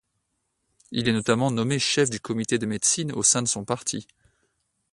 Il est notamment nommé chef du comité de médecine au sein de son parti.